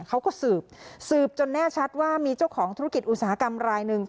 เขาก็สืบสืบจนแน่ชัดว่ามีเจ้าของธุรกิจอุตสาหกรรมรายหนึ่ง